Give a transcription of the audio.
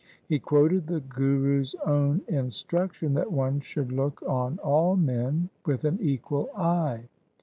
He quoted the Guru's own instruction that one should look on all men with an equal eye.